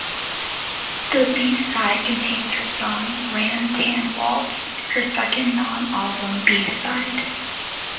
The B-side contains her song "Ran Tan Waltz", her second non-album B-side.